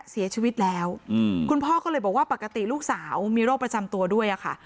เสียชีวิตแล้วคุณพ่อก็เลยบอกว่าปกติลูกสาวมีโรคประจำตัวด้วยค่ะ